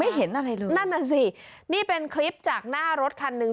เห็นอะไรเลยนั่นน่ะสินี่เป็นคลิปจากหน้ารถคันหนึ่ง